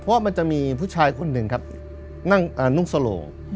เพราะมันจะมีผู้ชายคนหนึ่งนั่งนุ่งโสโร